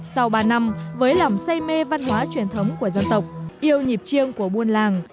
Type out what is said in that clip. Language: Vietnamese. sau ba năm với lòng say mê văn hóa truyền thống của dân tộc yêu nhịp chiêng của buôn làng